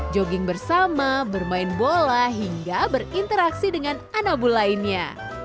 jogging bersama bermain bola hingga berinteraksi dengan anabul lainnya